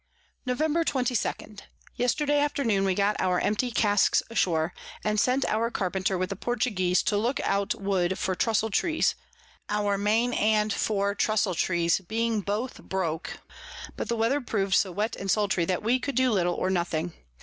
Nov. 22. Yesterday Afternoon we got our empty Casks ashore, and sent our Carpenter with a Portuguese to look out Wood for Trusle Trees, our Main and Fore Trusle Trees being both broke: but the Weather prov'd so wet and sultry, that we could do little or nothing.